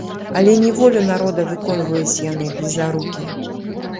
Але не волю народа выконваюць яны, блізарукія.